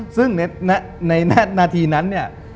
ซึ่งในนาทีนั้น